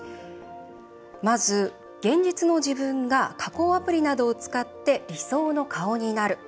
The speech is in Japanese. まず、現実の自分が加工アプリなどを使って理想の顔になる。